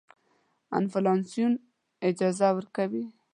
انفلاسیون اجازه ورکوي.